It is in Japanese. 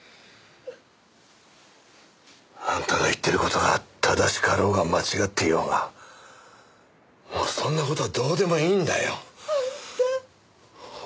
あんたが言ってる事が正しかろうが間違っていようがもうそんな事はどうでもいいんだよ。あんた。